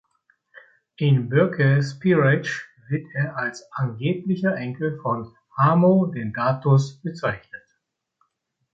In Burke’s Peerage wird er als "angeblicher Enkel von Hamo Dentatus" bezeichnet.